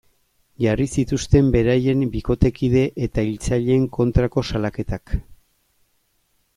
Jarri zituzten beraien bikotekide eta hiltzaileen kontrako salaketak.